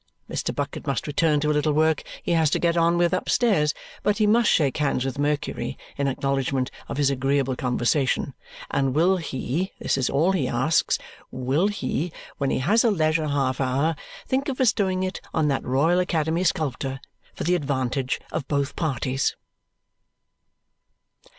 Mr. Bucket must return to a little work he has to get on with upstairs, but he must shake hands with Mercury in acknowledgment of his agreeable conversation, and will he this is all he asks will he, when he has a leisure half hour, think of bestowing it on that Royal Academy sculptor, for the advantage of both parties?